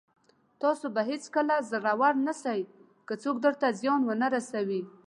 تاسو به هېڅکله زړور نسٸ، که څوک درته زيان ونه رسوي.